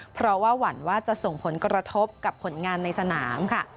เพราะว่าหวั่นว่าจะส่งผลกระทบกับผลงานในสนามค่ะ